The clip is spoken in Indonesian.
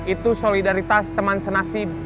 itu solidaritas teman senasib